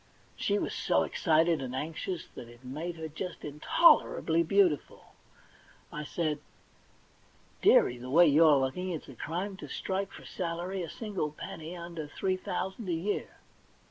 She was so excited and anxious that it made her just intolerably beautiful. I said :* Dearie, the way you're looking it's a crime to strike for a salary a single penny under three thousand a year.'